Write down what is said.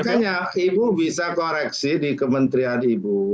makanya ibu bisa koreksi di kementerian ibu